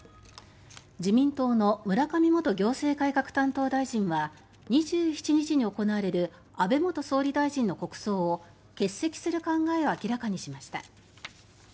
自民党の村上元行政改革担当大臣は２７日に行われる安倍元総理大臣の国葬を欠席する考えを明らかにしました。